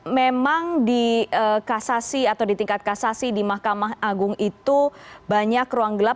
memang di kasasi atau di tingkat kasasi di mahkamah agung itu banyak ruang gelap